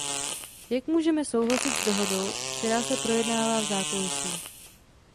Jak můžeme souhlasit s dohodou, která se projednává v zákulisí.